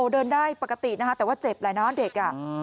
เดินได้ปกติแต่ว่าเจ็บเลยนะเด็ก